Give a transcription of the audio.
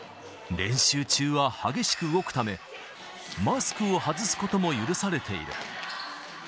練習中は激しく動くため、マスクを外すことも許されている。